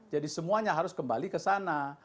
jadi semuanya harus kembali kesana